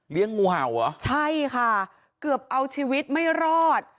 งูเห่าเหรอใช่ค่ะเกือบเอาชีวิตไม่รอด